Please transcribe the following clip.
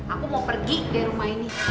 aku mau pergi ke rumah ini